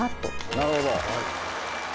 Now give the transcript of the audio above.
なるほど。